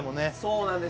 そうなんです